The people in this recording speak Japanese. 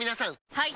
はい！